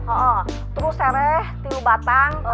oh terus sereh tiu batang